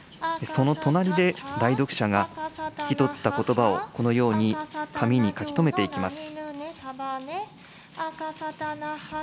その隣で、代読者が、聞き取ったことばを、このように紙に書き留めていきます。